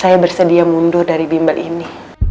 saya bersedia mundur dari bimbel ini